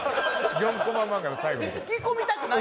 ４コマ漫画の最後みたい。